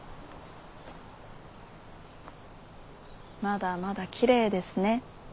まだまだきれいですね。